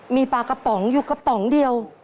มีปลากระป๋องอยู่กระป๋องเดียว